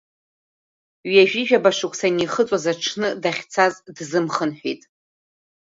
Ҩажәижәаба шықәса анихыҵуаз аҽны дахьцаз дзымхынҳәит.